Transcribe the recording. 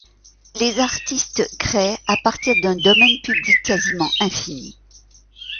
Les artistes créent à partir d’un domaine public quasiment infini.